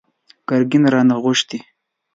ګرګين رانه غوښتي!